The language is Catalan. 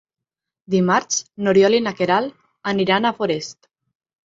Dimarts n'Oriol i na Queralt aniran a Forès.